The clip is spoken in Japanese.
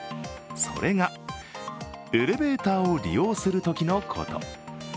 それがエレベーターを利用するときのこと。